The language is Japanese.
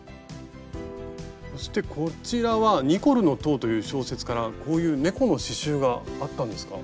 そしてこちらは「ニコルの塔」という小説からこういう猫の刺しゅうがあったんですか？